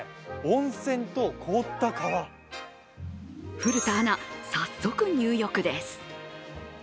古田アナ、早速入浴です。